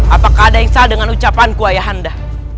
apakah ada yang salah dengan ucapanku ayah anda